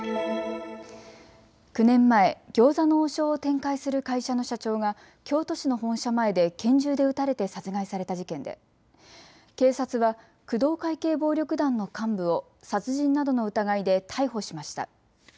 ９年前、餃子の王将を展開する会社の社長が京都市の本社前で拳銃で撃たれて殺害された事件で警察は工藤会系暴力団の幹部を殺人などの疑いで逮捕しました。